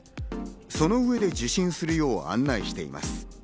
その上で受診するよう案内しています。